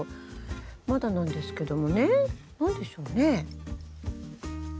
まだなんですけどもね。何でしょうね。